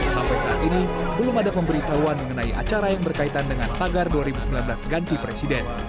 sampai saat ini belum ada pemberitahuan mengenai acara yang berkaitan dengan tagar dua ribu sembilan belas ganti presiden